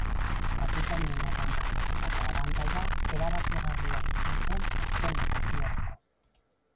Kapitainen erronkan lortutako abantaila erabakigarria izan zen azken desafiorako.